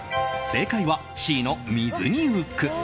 正解は、Ｃの水に浮く！